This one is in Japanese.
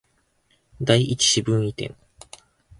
第一四分位点